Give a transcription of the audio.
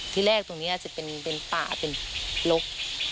ที่แรกตรงนี้จะเป็นป่าเป็นลก